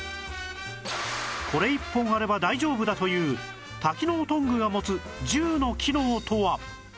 これ１本あれば大丈夫だという多機能トングが持つ１０の機能とは？